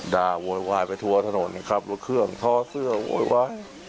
โวยวายไปทั่วถนนขับรถเครื่องท้อเสื้อโวยวาย